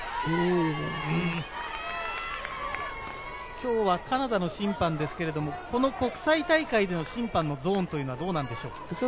今日はカナダの審判ですけど、国際大会での審判のゾーンはどうなんでしょうか。